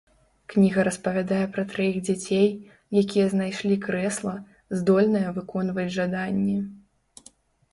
Кніга распавядае пра траіх дзяцей, якія знайшлі крэсла, здольнае выконваць жаданні.